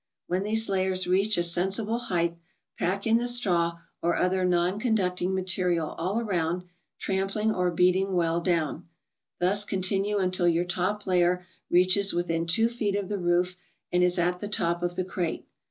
When these layers reach a sensible height, pack in the straw or other non conducting material all around, trampling, or beating well down. Thus continue until your top layer reaches within two feet of the roof, and is at the top of the crate.